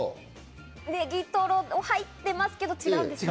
ネギトロが入ってますけど違うんですね。